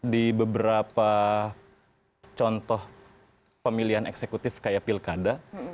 di beberapa contoh pemilihan eksekutif kayak pilkada